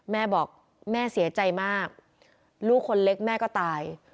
แม่บอกแม่เสียใจมากลูกคนเล็กแม่ก็ตาย